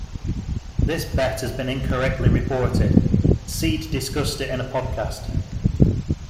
This bet has been incorrectly reported; Seed discussed it in a podcast.